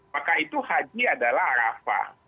maka itu haji adalah arafah